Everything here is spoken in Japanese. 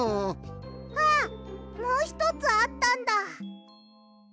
あっもうひとつあったんだ。